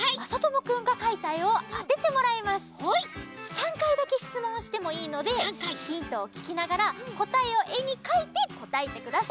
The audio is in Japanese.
３かいだけしつもんしてもいいのでヒントをききながらこたえをえにかいてこたえてください。